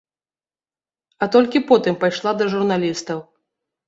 А толькі потым пайшла да журналістаў.